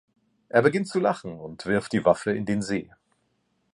Er beginnt zu lachen und wirft die Waffe in den See.